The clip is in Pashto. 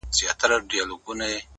• جهاني وم په یارانو نازېدلی ,